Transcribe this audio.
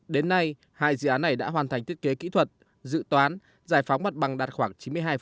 đến nay hai dự án này đã hoàn thành thiết kế kỹ thuật dự toán giải phóng mặt bằng đạt khoảng chín mươi hai